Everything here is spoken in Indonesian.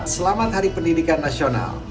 selamat hari pendidikan nasional